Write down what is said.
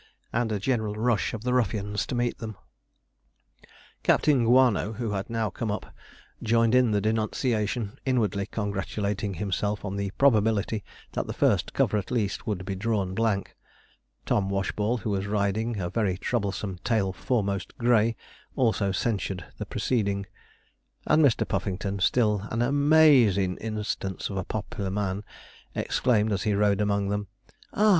and a general rush of the ruffians to meet them. [Illustration: CAPTAIN GUANO CAN'T GET HIS STIRRUPS THE RIGHT LENGTH] Captain Guano, who had now come up, joined in the denunciation, inwardly congratulating himself on the probability that the first cover, at least, would be drawn blank. Tom Washball, who was riding a very troublesome tail foremost grey, also censured the proceeding. And Mr. Puffington, still an 'am_aa_izin' instance of a pop'lar man,' exclaimed, as he rode among them, 'Ah!